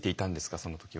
その時は。